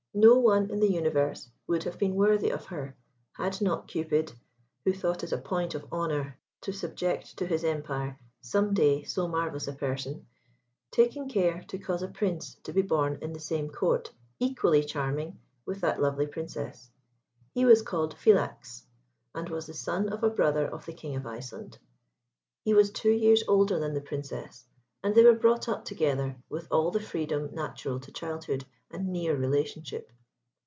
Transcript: No one in the universe would have been worthy of her had not Cupid, who thought it a point of honour to subject to his empire, some day, so marvellous a person, taken care to cause a Prince to be born in the same Court equally charming with that lovely Princess. He was called Philax, and was the son of a brother of the King of Iceland. He was two years older than the Princess, and they were brought up together with all the freedom natural to childhood and near relationship.